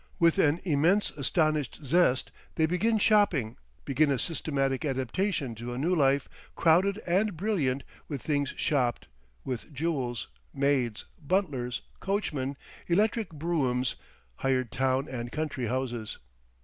With an immense astonished zest they begin shopping, begin a systematic adaptation to a new life crowded and brilliant with things shopped, with jewels, maids, butlers, coachmen, electric broughams, hired town and country houses.